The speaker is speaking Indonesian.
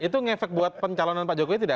itu ngefek buat pencalonan pak jokowi tidak